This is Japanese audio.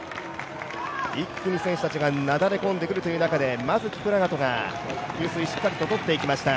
一気に選手たちがなだれ込んでくるという中で、まずキプラガトが給水しっかりととっていきました。